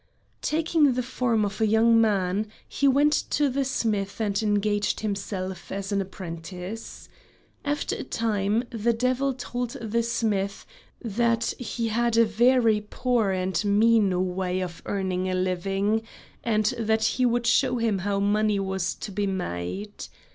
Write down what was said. Taking the form of a young man he went to the smith and engaged himself as an apprentice. After a time the devil told the smith that he had a very poor and mean way of earning a living, and that he would show him how money was to be made.